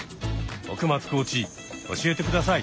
奥松コーチ教えて下さい。